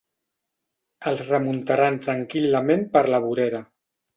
Els remuntaran tranquil·lament per la vorera.